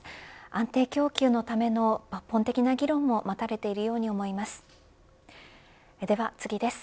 安定供給のための抜本的な議論も待たれているように思います。